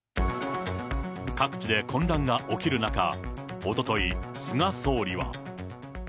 各地で混乱が起きる中、おととい、菅総理は。